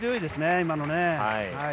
今のね。